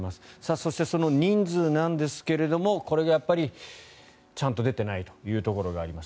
そして、その人数ですがこれがやっぱりちゃんと出ていないというところがあります。